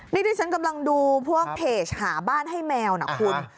นี่ที่ฉันกำลังดูพวกเพจหาบ้านให้แมวนะคุณ